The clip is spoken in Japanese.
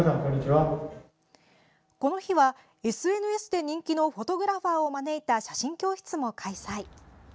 この日は、ＳＮＳで人気のフォトグラファーを招いた写真教室も開催。